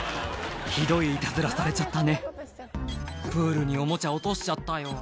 ひどいいたずらされちゃったね「プールにおもちゃ落としちゃったよ」